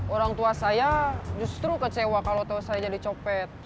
orang tua saya justru kecewa kalau tahu saya jadi copet